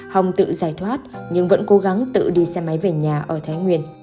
hồng tự giải thoát nhưng vẫn cố gắng tự đi xe máy về nhà ở thái nguyên